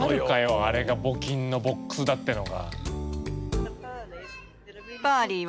あれが募金のボックスだってのが。